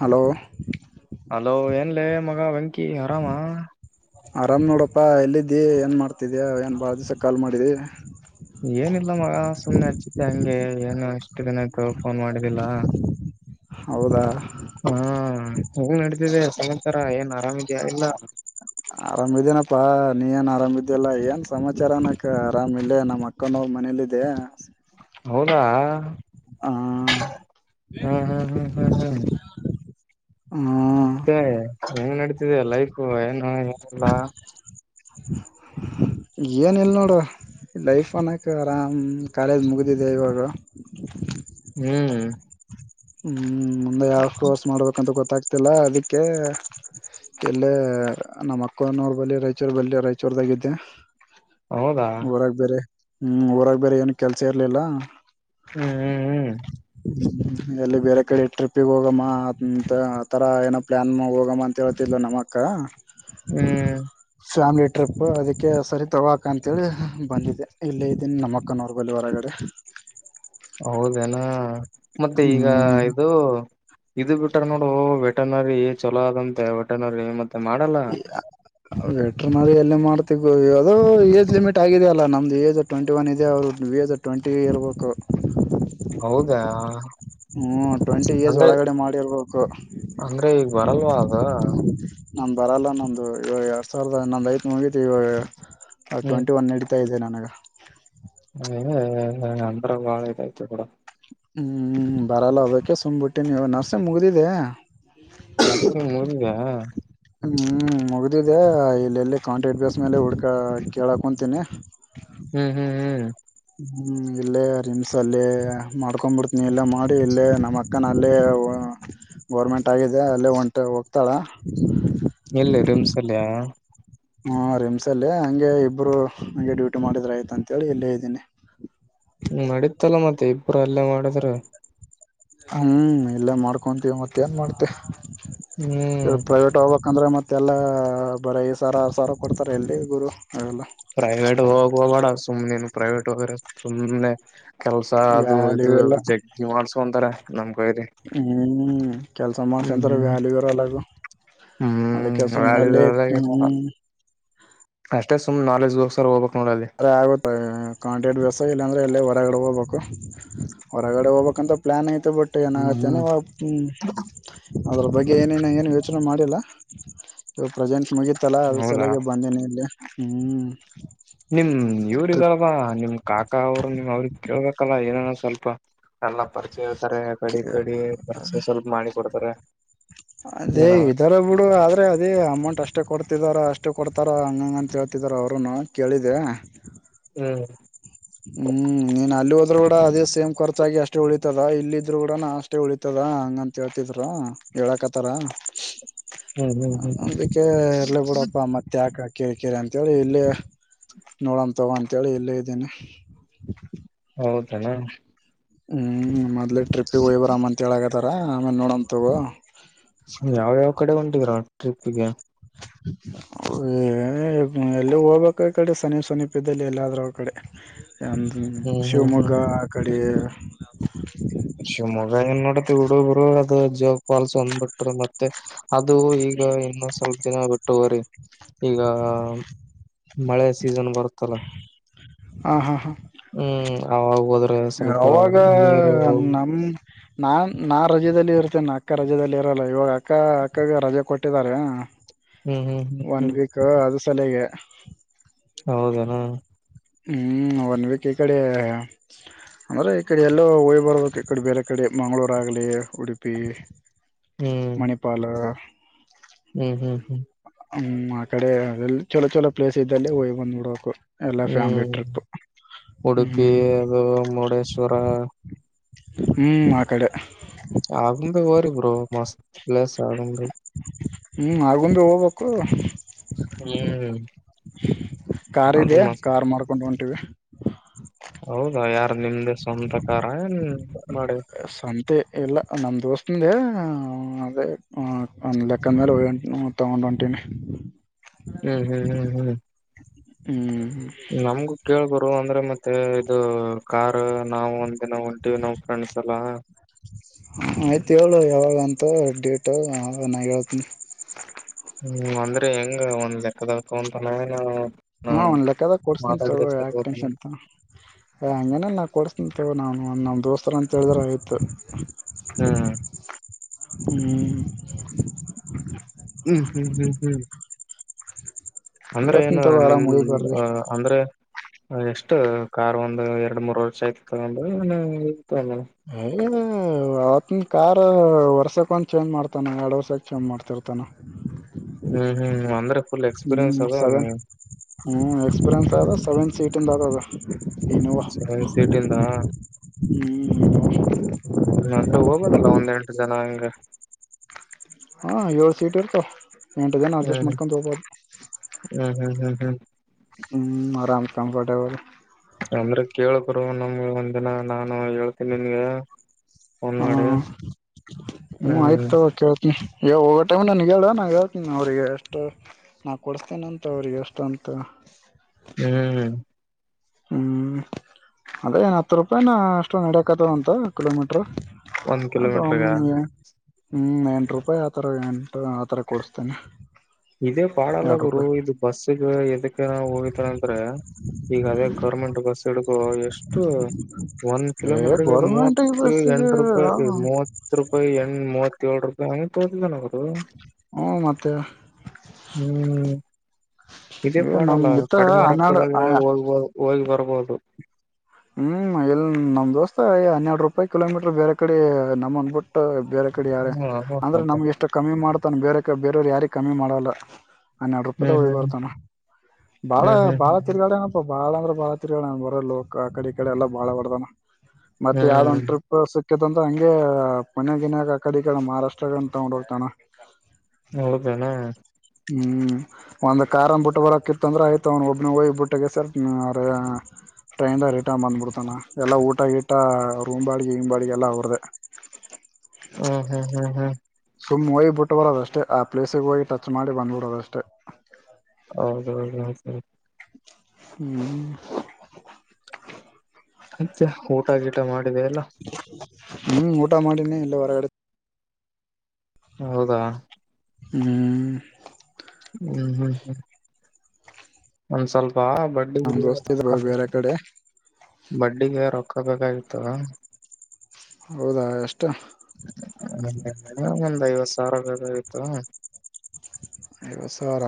Hello hello ಏನ್ಲ ಮಗ ವೆಂಕ ಆರಾಮಾ ಆರಾಮ್ ನೋಡಪ್ಪ ಎಲ್ಲಿದ್ದಿ ಏನು ಮಾಡ್ತಿದ್ದೀ ಏನು ಭಾಳ ದಿವಸಕ್ಕೆ ಕಾಲ್ ಮಾಡಿದ್ದಿ ಏನಿಲ್ಲ ಮಗ ಸುಮ್ಮನೆ ಹಚ್ಚಿತ್ತು ಹಂಗೆ ಏನು ಅಷ್ಟ ಎಷ್ಟ ದಿನ ಆಯ್ತು ಫೋನ್ ಮಾಡಿದ್ದಿಲ್ಲ ಹೌದಾ ಹ್ಮ ಹೆಂಗ ನಡತಿದೆ ಸಮಾಚಾರ ಏನ್ ಅರಮೈದಯ ಆರಾಮಿದೇನಪ್ಪಾ ನೀ ಏನ್ ಆರಾಮ ಇದಲ್ಲ ಏನ್ ಸಮಾಚಾರ ಅನಕ ಆರಾಮ ಇಲ್ಲೇ ನಮ್ಮ ಅಕ್ಕನ ಮನೇಲಿದೆ ಹೌದಾ ಆ ಹ್ಮ್ ಹ್ಮ್ ಹ್ಮ್ ಹ್ಮ್ ಹ್ಮ್ ಹ್ಮ ಮತ್ತೆ ಹೆಂಗ್ ನಡಿತಿದೆ ಲೈಫು ಏನು [unintelligible] ಏನಿಲ್ಲ್ ನೋಡು ಲೈಫ್ ಅನ್ನೋಕ ಆರಾಮ್ ಕಾಲೇಜ್ ಮುಗಿದಿದೆ ಇವಾಗ ಹ್ಮ್ ಹ್ಮ್ ಮುಂದೆ ಯಾವ ಕೋರ್ಸ್ ಮಾಡಬೇಕಂತ ಗೊತ್ ಗೊತ್ತಾಗ್ತಿಲ್ಲ ಅದಕ್ಕೆ ಎಲ್ಲೇ ನಮ್ಮ ಅಕ್ಕೋ ನೋಡ್ ಬಳಿ ರಾಯಚೂರ್ ಬಲ್ಲಿ ರಾಯಚೂರ್ದಾಗಿದ್ದೆ. ಹೌದಾ ಊರಾಗ್ ಬೇರೆ ಹ್ಮ್ ಊರಾಗ್ ಬೇರೆ ಏನು ಕೆಲ್ಸ ಇರ್ಲಿಲ್ಲ. ಹ್ಮ್ ಹ್ಮು ಹ್ಮು. ಎಲ್ಲಿ ಬೇರೆ ಕಡೆ ಟ್ರಿಪ್ಪಿಗ್ ಹೋಗಮ್ಮ ಅಂತ್ ಆತರ ಏನೋ ಪ್ಲಾನ್ ಮಾ ಹೋಗಮ್ಮ ಅಂತೇಳ್ತಿದ್ಳು ನಮ್ಮಕ್ಕ ಹ್ಮೂ. ಟ್ರಿಪ ಅದಕ್ಕೆ ಸರಿ ತಗೊ ಅಕ್ಕ ಅಂತ್ ತೇಳಿ ಬಂದಿದೆ ಇಲ್ಲೇ ಇದ್ದೀನ್ ನಮ್ ಅಕ್ ನವ್ರ್ ಬರ್ಲಿ ಹೊರಗಡೆ ಹೌದೆನಾ? ಮತ್ತೆ ಈಗಾ ಹ್ಮ್ ಇದು ಇದು ಬಿಟ್ರ ನೋಡು ವೆಟರ್ನರಿ ಚಲೋ ಅದಂತೆ ವೆಟರ್ನರಿ ಮತ್ [unintelligible] ಮಾಡಲ್ಲ. ವೆಟ್ರನರಿ ಎಲ್ ಮಾಡ್ತಿ ಗು ಯದೋ ಏಜ್ ಲಿಮಿಟ್ ಆಗಿದೆ ಅಲ್ಲ ನಮ್ದು ಏಜ್ ಟ್ವೆಂಟಿ ವನ್ ಇದೆ ಅವ್ರು ವಿಯೆಜ್ ಟ್ವೆಂಟಿ ಇರ್ಬೇಕು. ಹೌದಾ? ಹ್ಮೂ ಟ್ವೆಂಟಿ ಇಯರ್ಸ್ ಅಂದ್ರೆ ಒಳಗಡೆ ಮಾಡಿರ್ಬೇಕು. ಅಂದ್ರೆ ಈಗ ಬರಲ್ವಾ ಅದು ನಂದ್ ಬರಲ್ಲ ನಂದು ಇವಾಗ್ ಎರ್ಡ್ ಸಾವಿರದ ಅನ್ನೊಂದ್ ಐತಿ ಮುಗಿತ್ ಇವಾಗ. ಆ ಹ್ಮ್ ಟ್ವೆಂಟಿ ವನ್ ನಡಿತಾ ಇದೆನಾ ನಗ. [unintelligible] ಅಂದ್ರ ಬಾಳ ಇದಾಯ್ತ್ ಬಿಡ ಹ್ಮೂ ಬರಲ್ಲ ಅದಕ್ಕೆ ಸುಮ್ಬಿಟ್ಟಿನಿ ಇವಾಗ್ ನರ್ಸಿಂಗ್ ಮುಗ್ದಿದೆೆ [unintelligible] ಮತ್ತೆ [unintelligible] ಹ್ಮ್ ಮುಗ್ದಿದೆ ಇಲ್ಲೆಲ್ಲಿ ಕಾಂಟ್ರಾಕ್ಟ್ ಬೇಸ್ ಮೇಲೆ ಹುಡ್ಕ ಕೇಳಕೊಂತೀನಿ. ಹ್ಮ್ ಹ್ಮ್ ಹ್ ಹ್ ಇಲ್ಲೇ ರಿಮ್ಸಲ್ಲೇ ಮಾಡ್ಕೊಂಡ್ಬಿಡ್ತೀನಿ ಇಲ್ಲ ಮಾಡಿ ಇಲ್ಲೇ ನಮ್ಮ ಅಕ್ಕನಲ್ಲೇ ಗೌರ್ಮೆಂಟ್ ಆಗಿದೆ ಅಲ್ಲೇ ಹೊಂಟ ಹೋಗ್ತಾಳ. ಕಲ್ಯಾ ಹಾ ರಿಮ್ಸ ಅಲ್ಲಿ ಹಂಗೆ ಇಬ್ರು ನಂಗೆ ಡ್ಯೂಟಿ ಮಾಡಿದ್ರ ಆಯ್ತ ಅಂತೇಳಿ ಇಲ್ಲೇ ಇದ್ದೀನಿ. ಪರ್ ಎಲ್ಲ ಮಾಡಿದ್ರ ಹ್ಮ ಇಲ್ಲೇ ಮಾಡ್ಕೊಂತೀವಿ ಮತ್ತೇನ್ ಮಾಡ್ತಿ. ಹ್ಮ್ ಇದ್ ಪ್ರೈವೇಟ್ ಹೋಬ ಅಂದ್ರೆ ಮತ್ತೆಲ್ಲ ಬರೀ ಐದ್ ಸಾವ್ರ ಆರು ಸಾವಿರ ಕೊಡ್ತಾರೆ ಎಲ್ಲಿ ಗುರು. ಅವೆಲ್ಲ ಪ್ರೈವೇಟ್ಗ್ ಹೋಗಕ್ ಹೋಗ್ಬೇಡ ಸುಮ್ನೀನು. ಪ್ರೈವೇಟ್ ಹೊಗರೆ ಸುಮ್ನೆ ಕೆಲ್ಸ ಅದು ಇದು ವ್ಯಾಲ್ಯೂ ಇಲ್ಲ ಜಗ್ಗಿ ಮಾಡ್ಸ್ಕೊಂತಾರೆ ನಮ್ ಕೈಲಿ. ಹ್ಮ ಕೆಲಸ ಹ್ಮ್ ಮಾಡ್ಸಕಾಂತರ ಹ್ಮ್ ವಾಯ್ಡ್ ವಿರಾಲಗು ಹ್ಮ್ ಅದಕೆ ಸುಮ್ನೆ ವ್ಯಾಲ್ಯೂ ಎಲ್ಲಿ ಇರಲ್ಲ ಇರ್ತಿ [inaudible] ಏನಿಲ್ಲ ಹ್ಮ್ ಕೆ ಅಷ್ಟೇ ಸುಮ್ ನಾಲೆಜ್ ಗೋಸ್ಕರ ಹೋಗ್ಬೇಕು ಅ ಆಗುತ್ತ ಕಾಂಟ್ರಾಟ್ ಬೇಸ್ ಇಲ್ಲಾಂದ್ರೆ ಅಲ್ಲೇ ಹೊರಗಡೆ ಹೋಗ್ಬೇಕು ಹೊರಗಡೆ ಹೋಗ್ಬೇಕಂತ ಪ್ಲಾನ್ ಐತ್ ಬಟ್ ಹ್ಮ್ ಏನಾಗುತ್ತೆ ಹ್ಮ್ ಹ್ ಅದ್ರ ಬಗ್ಗೆ ಏನ ಏನ್ ಯೋಚನೆ ಮಾಡ್ ಡೆಲ್ಲಾ ಇ ಪ್ರೆಸೆಂಟ್ ಮುಗಿತಲ್ಲಾ ಅದು ಹೌದಾ ಸಲಗೆ ಬಂದೇನಿ ಇಲ್ಲಿ ಹ್ಮ್ ನಿಮ್ ಇವ್ರ ಇದಲ್ವಾ ನಿಮ್ ಕಾಕಾ ಅವರು ನಿಮ್ ಅವ್ರ ಕೇಳ್ಬೇಕಲ್ಲ ಏನನ ಸ್ ಸ್ವಲ್ಪ ಎಲ್ಲ ಪರಿಚಯ ಇರ್ತಾರೆ ಕಡಿ ಕಡಿ ಪರಿಚೆ ಸ್ವಲ್ಪ ಮಾಡಿ ಕೊಡ್ತಾರೆ ಅದೇ ಏನ ಇದರೆ ಬಿಡು ಆದ್ರೆ ಅದೇ ಅಮೌಂಟ್ ಅಷ್ಟೇ ಕೊಡ್ತಿದಾರ ಅಷ್ ಕೊಡ್ತಾರ ಹಂಗಂಗ ಅಂತ ಹೇಳ್ತಿದಾರ ಅವ್ರನು ಕೇಳಿದೆ. ಹ್ಮ್ ಹ್ಮ್ ನೀನ್ ಅಲ್ಲಿ ಹೋದ್ರು ಕೂಡ ಅದೇ ಸೇಮ್ ಖರ್ಚಗಿ ಅಷ್ಟೇ ಉಳಿತದ ಇಲ್ಲ ಇದ್ರು ಕೂಡ ನಾ ಅಷ್ಟೇ ಉಳಿತದ ಹಂಗಂತ ಹೇಳ್ತಿದರು ಹೇಳಕತಾರ ಹ್ಮ್ ಹ್ಮ್ ಹ್ಮ್ ಅದಕ್ಕೆ ಇರ್ಲಿ ಬಿೂಡಪ್ಪ ಮತ್ತೆ ಯಾಕಾ ಕೆರೆಕಿರೆ ಅಂತೇಳಿ ಇಲ್ಲೇ ನೋಡೋಂ ತಗೋ ಅಂತೇಳಿ ಇಲ್ಲೇ ಇದ್ದೀನಿ [inaudible] ಹೌದೆನು ಹ್ಮ್ ಮತ್ ಟ್ರಿಪ್ಗೆ ಹೋಗಿ ಬರಮ ಅಂತ ಹೇಳೆ ಥರ ಆಮೇಲೆ ನೋಡಮ್ ತಗೋ ಯಾವ್ಯಾವ ಕಡೆ ತೀರ ಟ್ರಿಪ್ಗೆ ಹೇ ಎಲ್ಲ ಹೋಗ್ಬೇಕ ಈ ಕಡೆ ಸಮೀಪ ಸಮೀಪದಲ್ಲಿ ಎಲ್ಲಾದ್ರೂ ಅವಕಡೆ ಹ್ಮ್ ಹ್ಮ್ ಹ್ಮ್ ಶಿವಮೊಗ್ಗ ಹ್ಮ್ ಆ ಕಡ್ ಯೆ ಶಿವಮೊಗ್ಗ [unintelligible] ತು ಬಿಡು ಗುರು ಅದು ಜೋಗ ಫಾಲ್ಸ್ ಹೊಂದ್ ಬಿಟ್ರಿ ಮತ್ ತ್ ಅದು ಈಗ ಇನ್ನು ಸ್ವಲ್ಪ ದಿನ ಬಿಟ್ಟುುರಿ ಈಗ ಮಳೆ ಸೀಸನ್ ಬರುತ್ತಲ್ಲ ಹ ಹಾ ಹಾ ಹ್ಮ್ ಅವಗೋದ್ರೆ ಅವಾಗ ಸ ನಮ್ ನಾನ್ ನಾ ರಜದಲ್ಲಿ ಇರ್ತೇನೆ ನ ಅಕ್ಕ ರಜ ಇರಲ್ಲ ಇವಾಗ ಅಕ್ಕ ಅಕ್ಕಗೆ ರಜೆ ಕೊಟ್ಟಿದ್ದಾರೆ ಹ್ಮ್ ಹ್ಮ್ ಹ್ಮ್ ಹ್ಮ್ ತಲೆಗೆ ಹೌದನಾ ಹ್ಮ್ ಒನ್ ವೀಕ್ ಈ ಕಡೆ ಅಂದ್ರೆ ಈ ಕಡೆ ಎಲ್ಲೋ ಹೊಯ್ ಬರ್ಬೇಕು ಈ ಕಡೆ ಬೇರೆ ಕಡೆ ಮಂಗ್ಳೂರ್ ಆಗ್ಲಿ ಉಡುಪಿ ಹ್ಮ್ ಮಣಿಪಾಲ ಹ್ಮ್ ಹ್ಮ್ ಹ್ಮ್ ಹ್ಮ್ ಆ ಕಡೆ ಅ ಚಲ ಚಲೋ ಪ್ಲೇಸ್ ಇದ್ದಲ್ಲಿ ಹೋಯ್ ಬಂದ್ ಬಿಡ್ಬೇಕು. ಎಲ್ಲಾ ಫ್ಯಾಮಿಲಿ ಹ್ಮ್ ಟ್ರಿಪ್ ಉಡುಪಿ ಹ್ಮ್ ಅದು ಮುರುಡೇಶ್ವರ ಹ್ಮ್ ಆ ಕಡೆ ಆಗುಂಬೆ ಹೋರಿ [unintelligible] ಪ್ಲಸ್ ಆಗಂಗ ಹ್ಮ್ ಆಗುಂಬಿ ಹೋಗ್ಬೇಕು ಹ್ಮ್ ಕಾರ್ ಅದು ಇದೆ ಮಸ್ತ್ ಕಾರ್ ಮಾಡ್ಕೊಂಡು ಹೊಂಟಿವಿ ಹೌದಾ ಯಾರು ನಿಮ್ದ ಸ್ವಂತಕಾರ ಏನ್ ಮಾಡಿ ಸಂತೆ ಇಲ್ಲ ನಮ್ಮ ದೋಸ್ತುಂದೇ ಆ ಅದೇ ಆ ಒಂದು ಲೆಕ್ಕ ಮೇಲೆ ಹೂ ತಗೊಂಡ್ ಹೊಂಟೀನಿ. ಹ್ಮ್ ಹ್ಮ್ ಹ್ಮ್ ಹ್ಮ್ ಹ್ಮ್ ನಮ್ಗು ಕೇಳಬರು ಅಂದ್ರೆ ಮತ್ತೆ ಮತ್ತ ಇದು ಕಾರ್ ನಾವು ನಾವು ಹೊಂಟೀವಿ ನಾವ್ ಫ್ರೆಂಡ್ಸ್ ಎಲ್ಲ ಹ ಆಯ್ತು ಹೇಳು ಯಾವಾಗಂತ ಡೇಟು ನಾ ಹೇಳ್ತೀನಿ ಹ್ಮ್ ಅಂದ್ರೆ ಹೆಂಗ ಒಂದ್ ಲೆಕ್ಕ್ದು ಅಂತನ ಏನ ಹ್ಮ ಒಂದ್ ಲೆಕ್ಕದಲ್ಲಿ ಕೊಡುಸ್ತೀನ್ ತಗೋ ಯಾಕ್ ತಗೋತಾನ ಟೆನ್ಶನ್ ಹಾ ಹಂಗೇನಿಲ್ಲ ನಾ ಕೊಡುಸ್ತೀನಿ. ಅಯ್ಯೊ ನಾನು ನಮ್ಮ ದೋಸ್ತರ ಅಂತೇಳಿದ್ರೆ ಆಯ್ತು ಹ್ಮ್ ಹ್ಮ್ [inaudible] ಹ್ಮ್ ಹ್ಮ್ ಹ್ಮ್ ಹ್ಮ್ ಅಂದ್ರೆ ಹೇಳ್ತಿನ್ ಏನು ತಗೋ ನಿಮ್ ಆರಾಮ್ ಹೋಗಿ ಬರ್ಲಿ ಅ ಅಂದ್ರೆ ಆ ಎಷ್ಟು ಕಾರ್ ಒಂದು ಎರಡ್ ಮೂರ್ ವರ್ಷ ಆಯ್ತು ತಗೊಂಡು ಆ ತಗೋಳ ಇಯ್ ಅವತ್ತಿನ ಕಾರ್ ವರ್ಷಕ್ಕೆ ಒಂದು ಚೇಂಜ್ ಮಾಡ್ತಾನ ಎರಡು ವರ್ಷಕ್ಕೆ ಚೇಂಜ್ ಮಾಡ್ತಿರ್ತಾನ ಹ್ಮ್ ಹ್ಮ್ ಅಂದ್ರ ಹ್ಮ್ ಸವೆನ್ ಹ್ಮ್ ಎಕ್ಸ್ಪೀರಿಯನ್ಸ್ ಆದ್ರೆ ಸವೆನ್ ಸೀಟ್ ಹಿಂದಾದದ ಸೆವೆನ್ ಸೀಟ ಇಂದ, ಹ್ಮ್ ಹ್ಮ ಅಂದ್ರೆ ಹೋಗೋದಲ್ಲ ಒಂದೆಂಟು ಜನ ಹಂಗ. ಹಾ, ಏಳು ಸೀಟ ಇರುತ್ತೆ. ಎಂಟ ಜನ ಅಡ್ಜಸ್ಟ್ ಹ್ಮ್ ಮಾಡ್ಕೊಂಡು ಹೋಗಬೋದು ಹ್ಮ್ ಹ್ಮ್ ಹ್ಮ್ ಹ್ಮ್ ಹ್ಮ್ ಆರಾಮ ಕಂಫರ್ಟಬಲ್. ಅಂದ್ರೆ, ಕೇಳೋ ಗುರು ನಮಗ ಒಂದ ದಿನ ನಾನು ಹೇಳ್ತೀನಿ ನಿನಗೆ. ಹಾ ಹ್ಮ ಆಯ್ತ ಹ್ಮ್ ತಗೋ ಕೇಳ್ತೀನಿ. ಹೋಗೋ ಟೈಮ್ ನನಗೆ ಹೇಳು ನಾ ಹೇಳ್ತೀನಿ ಅವ್ರಿಗೆ ಎಷ್ಟು ನಾ ಕೊಡುಸ್ತೀನಿ ಅಂತ ಅವ್ರಿಗೆ, ಎಷ್ಟ ಅಂತ. ಹ್ಮ್ ಹ್ಮ್, ಅದೇ ಹತ್ತು ರೂಪಾಯಿನ ಅಷ್ಟೊ ನಡಕತವ ಅಂತ ಕಿಲೋಮೀಟರ್ ಒಂದ್ ಹಾದು ಕಿಲೋಮೀಟರ್ಗ ಹ್ಮ್, ಎಂಟ ರೂಪಾಯಿ ಆತರ ಎಂಟು ಆತರ ಕೊಡಸ್ತೇನ ಇದೇ, ಪಾಡಲ್ಲ ಗುರು ಇದು ಬಸ್ಸಗೆ ಎದಕ್ಕೆ ನ ಹೋಗಿದ್ರಂದ್ರೆ ಅಂದ್ರೆ ಈಗ ಅದೇ ಗೌರ್ಮೆಂಟ್ ಬಸ್ ಹಿಡ್ಕೋ ಎಷ್ಟು ಒಂದ ಕಿಲೋ ಏ ಮೀಟರ್ಗೆ ಗೌರ್ಮೆಂಟ್ ಮೂವತ್ತ ಬಸ್ಸಿಗೆ ಎಂಟ ರೂಪಾಯಿ ಮೂವತ್ತು ರೂಪಾಯಿ ಎಂ ಮೂವತ್ತುಏಳು ರೂಪಾಯಿ. [unintelligible] ಹ್ಮ ಮತ್ತೆ ಹ್ಮ್ ಇದೇ, ಏ ನಮ್ ಪಾಡಲ್ಲ ಇತ್ತ ಕಡಿಮೆ ಹನ್ನೆರಡು ರೊಕ್ಕದಾಗ ಹೋಗ್ ಬರ್ ಹೋಗ್ ಭರ್ ಬರ್ಬೋದು ಹ್ಮ್, ಎಲ್ಲಿ ನಮ್ ದೋಸ್ತ ಹನ್ನೆರಡು ರೂಪಾಯಿ ಕಿಲೋಮೀಟರ್ ಬೇರೆ ಕಡೆ ನಮ್ಮನ್ ಬಿಟ್ಟು ಬೇರೆ ಕಡೆ ಯಾರ ಹ್ಮ ಅಂದ್ರೆ ಮತ್ತ ನಮಗೆ ಇಷ್ಟು ಕಮ್ಮಿ ಮಾಡ ತಾನ ಬೇರೆ ಬೇರೆಯವರು ಯಾರಿಗೆ ಕಮ್ಮಿ ಮಾಡಲ್ಲ. ಹನ್ನೆರಡು ರೂಪಾಯಿದಾಗ ಹ್ಮ್ ಹೋಗಿ ಹ್ಮ್ ಬರ್ತಾನೆ, ಬಾಳ ಹ್ಮ್ ಹ್ಮ್ ಬಾಳ ಹ್ಮ್ ತಿರುಗಾಡಿ ಏನಪ್ಪಾ. ಬಾಳಂದ್ರ ಬಾಳ ತಿರುಗ್ಯಾಡಾನಾ ಬರೆ ಲೋ ಆ ಕಡೆ ಈ ಕಡೆ ಎಲ್ಲಾ ಬಾಳ ಹೊಡ್ದಾನ. ಮತ್ತ ಯಾವ್ದ ಒಂದ ಹ್ಮ್ ಟ್ರಿಪ್ ಸಿ ಸಿಕಿತಂದ್ರ ಹಂಗೆ ಮನ್ಯಾಗ ಗಿನ್ಯಾಗ ಅಕಾಡಿ ಈಕಡೆ ಮಹಾರಾಷ್ಟ್ರಗಂತ ತಗೊಂಡ್ ಹೋಗ್ತಾನ. ಹೌದೇನಾ. ಹ್ಮ್, ಒಂದ್ ಕಾರನ್ನ ಬಿಟ್ಟ ಬರಕಿತ್ತಂದ್ರೆ ಆಯ್ತು, ಅವನ ಒಬ್ನ ಹೋಗಿಬ ಬಿಟ್ಟಗೆ ಸರ್ ಟ್ರೈನ್ ರಿಟರ್ನ್ ಬಂದ್ಬಿಡ್ತಾನ ಎಲ್ಲಾ ಊಟ ಗೀಟ ರೂಮ್ ಬಾಡಿಗೆ ಗೀಮ್ ಬಾಡಿಗೆ ಎಲ್ಲ ಅವರದೇ. ಹ್ಮ್ ಹ್ಮ್ ಹ್ಮ್ ಹ್ಮ್ ಸುಮ್ಮ್, ಹೋಗಿ ಬಿಟ್ಟು ಬರೋದಷ್ಟೇ ಆ ಪ್ಲೇಸಿಗೆ ಹೋಗಿ ಟಚ್ ಮಾಡಿ ಬಂದ್ಬಿಡೋದಷ್ಟೇ. ಹೌದಹೌದಹೌದು ಹ್ಮ್ ಆಯ್ತಾ, ಊಟ ಗಿಟ ಮಾಡ ಮಾಡಿದ್ಯಾ ಇಲ್ಲ ಹ್ಮ್, ಊಟ ಮಾಡಿನೇ ಇಲ್ಲ ಹೊರಗಡೇ ಹೌದಾ ಹ್ಮ್. ಹ್ಮ್ ಹ್ಮ್ ಒಂದ್ ಸ್ವಲ್ ಪ ಬಟ್ ನಮ್ ದೋಸ್ತ ಇದ್ರು ಬೇರೆ ಕಡೆ [unintelligible] ಬಡ್ಡಿಗೆ ರೊಕ್ಕ ಬೇಕಾಗಿರ್ತದ. ಹೌದಾ ಎಷ್ [unintelligible] ಒಂದ್ ಐವತ್ ಸಾವ್ರ ಬೇಕಾಗಿತ್ತಾ? ಐವತ್ ಸಾವ್ರ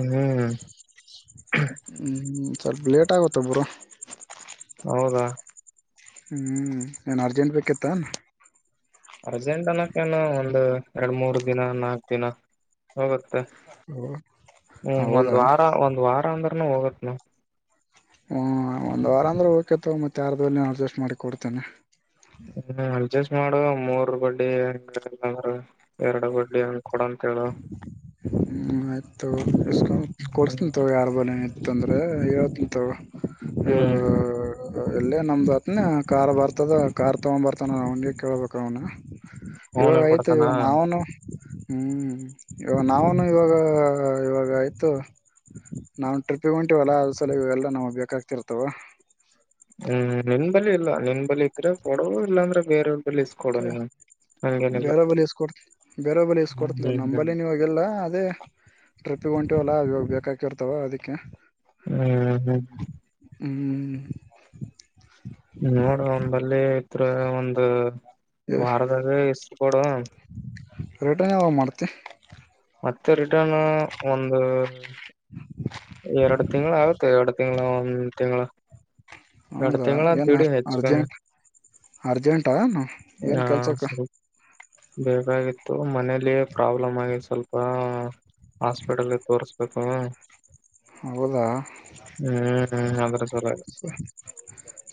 ಹ್ಮ್ ಹ್ಮು ಸ್ವಲ್ಪ್ ಲೇಟ್ ಆಗುತ್ತೆ ಬ್ರೊ. ಹೌದಾ? ಹ್ಮೂ ಏನ್ ಅರ್ಜೆಂಟ್ ಬೇಕತ್ತ? ಅರ್ಜೆಂಟ್ ಅನ್ನದ್ ಕಿನ ಒಂದ್ ಎರಡ್ ಮೂರ್ ದಿನ ನಾಕ್ ದಿನ ಹೋಗುತ್ತೆ. ಹ್ಮ್ ಒಂದ್ ಹೌದಾ ವಾರ ಒಂದ್ ವಾರ ಅಂದ್ [unintelligible] ಹೋಗತ್ನ. ಹೂ ಒಂದ್ ವಾರ ಅಂದ್ರೆ ಓಕೆ ತಗೊ ಮತ್ ಯಾರತ್ರುನು ಅಡ್ಜಸ್ಟ್ ಮಾಡಿ ಕೊಡ್ತೇನೆ. ಹ್ಮು ಅಡ್ಜಸ್ಟ್ ಮಾಡುವ ಮೂರ್ ಬಡ್ಡಿ ಯಂಗ ಇಲ್ಲ ಅಂದ್ರ ಎರ್ಡ್ ಬಡ್ಡಿ ಹಂಗ್ ಹ್ಮು ಆಯ್ತ್ ತಗೊ ಇಸ್ಕ ಬಂದ್ ಹ್ಮ್ ಕೊಡ್ಸ್ತೀನ್ ತಗೊ ಯಾರ್ [unintelligible] ತಂದ್ರೆ ಹೇಳ್ತಿನ್ ತಗೋ. ಹಾಆ. ಹ್ಮ್ ಇಲ್ಲೇ ನಮ್ದ್ ಹತ್ನ್ಯಾ ಕಾರ್ ಬರ್ತದ ಕಾರ್ ತಗೊಂಬರ್ತಾನ ಅವಾಗ್ ಅಂಗೆ ಕೇಳ್ಬೇಕ್ ಅವ್ನ ಅವನು ಇವಾಗ್ ಐತೆ ಕೊಡ್ತಾನ ಇವಾಗ್ ನಾವುನೂ ಹ್ಮು. ಹ್ಮ್ ಯೋ ನಾವೂನು ಇವಾಗ ಆ ಇವಾಗಾಯ್ತು ನಾವು ಟ್ರಿಪ್ಪಿಗೆ ಹೊಂಟಿವಲ್ಲ ಅದ್ರ್ ಸಲುವಾಗಿ ಇವೆಲ್ಲ ನಮ್ಗ್ ಬೇಕಾಗ್ತಿರ್ತದಲ್ಲ. ಹ್ಮ್ ನಿಮ್ ಅಲ್ಲಿ ಇಲ್ಲಾ ನಿನ್ ಬಲಿ ಇದ್ರ? ಕೊಡು ಇಲ್ಲ ಅಂದ್ರೆ ಬೇರೆ ಅವ್ರ್ ಕ್ಯಾ ಬೇರು ಬಲಿ ಇಸ್ಕೊಡ್ತಿನ್ ಬೇರ ಬಲಿ ಇಸ್ಕೊಡ್ತಿವ್ ಹ್ಮ್ ಹ್ಮ್ ಹ್ಮ್ ನಂಬಲ್ಲಿ ನೀವಾಗಲ್ಲ ಅದೇ ಟ್ರಿಪ್ ಗ್ ಹೋಂಟಿವಲ್ಲಾ ಅವ್ ಇವಾಗ ಬೇಕಾಕಿರ್ತಾವ ಅದಕ್ಕೆ ಊ ಹ್ಮ್ ಹ್ಮ್ ನೋಡ ಒನ್ ಬಲ್ಲಿ ಇತ್ರ ಒಂದು ವಾರದಾಗ ಇಸ್ಕೊಡು. ರಿಟರ್ನ್ ಯಾವಾಗ ಮಾಡ್ತಿ? ಮತ್ತೆ ರಿಟರ್ನ್ ಒಂದು ಎರ್ಡ ತಿಂಗ್ಳ ಆಗುತ್ತೆ ಎರ್ಡ ತಿಂಗ್ಳ ಒಂದ್ ತಿಂಗ್ಳ ಎರ್ಡ ಹೌದಾ ತಿಂಗ್ಳ ಏನ್ ಅಂತಡಿ ಹೆಚ್ಚು ಕಮ್ಮಿ ಅರ್ಜೆಂಟ್ ಅರ್ಜೆಂಟಾ ಏನ್ ಹಾ ಕೆಲ್ಸಕ್ಕ ಸರಿ ಬೇಕಾಗಿತ್ತು ಮನೇಲಿ ಪ್ರಾಬ್ಲಮ್ ಆಗಿ ಸ್ವಲ್ಪ ಹಾಸ್ಪಿಟಲ್ಗೆ ತೋರ್ಸ್ಬೇಕು ಹೌದಾ ಹ್ಮ್ ಅದ್ರ ಸಲುವಾಗಿ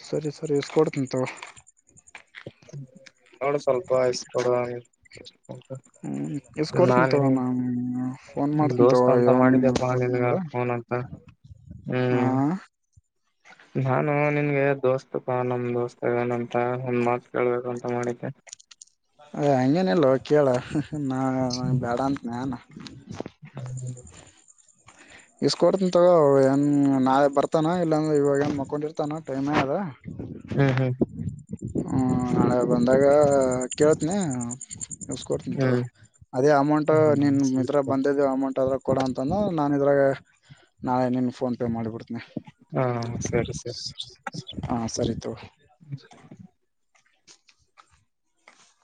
ಸರಿ ಸರಿ ಇಸ್ ಕೊಡ್ತಿನ್ ತೊಗೊ ಹ್ಮ ನೋಡ ಸ್ವಲ್ಪ ಇಷ್ಟ ಕೊಡುವ ಇಸ್ ಕೋಡ್ ಹ್ಮ್ ಇಸ್ ಕೊಡ್ತಿನ್ ತೊಗೊ ನನ್ ಫೋನ್ ಮಾಡ್ತಿನ್ ದೋಸ್ತ್ ತೊಗೊ ಅಂತ ಯನ್ ಮಾಡಿದೆಪ್ಪಾ ನಿನ್ಗ ನಂಬ್ರ ಫೋನ್ ಅಂತ ಹ್ಮ್ ಹ ನಾನು ನಿನ್ಗೆ ದೋಸ್ತಪ ನಮ್ ದೋಸ್ತ ಅದನಂತ ಒಂದ್ ಮಾತ್ ಕೇಳ್ಬೇಕು ಅಂತ ಮಾಡಿದ್ದೆ ಹ ಹಂಗೇನಿಲ್ಲೋ ಕೇಳ ನಾ ಬೇಡ ಅಂತ ನಾನ ಹ್ಮ ಇಸ್ಕಡ್ತನ್ ತಗ ಏನು ನಾಳೆ ಬರ್ತಾನ ಇಲ್ಲಾಂದ್ರೆ ಇವಾಗ ಏನು ಮಕ್ಕೊಂಡಿರ್ತಾನ ಟೈಮೇ ಅದ ಹ್ಮ್ ಹ್ಮ್ ಹ್ಮ ನಾಳೆ ಬಂದಾಗ ಕೇಳ್ತನಿ ಇಸ್ ಕೊಡ್ತಿನ್ ತೊಗೊ ಹ್ಮ್ ಅದೇ ಅಮೌಂಟ್ ಹ್ಮ್ ನಿನ್ ಸರಿ ಇದಗ್ ತಗೋ. ಬಂದಿದ್ದ ಅಮೌಂಟ್ ಆದ್ರ ಕೊಡ ಅಂತ ನಾನೆ ಇದ್ರಾಗ ನಾಳೆನೀನ್ ಫೋನ್ ಪೇ ಮಾಡಿಬಿಡ್ ಹಾ ಸರಿ ಸರಿ ಹಾ ಸರಿ ತೊಗೊ